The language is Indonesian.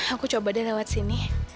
aku coba deh lewat sini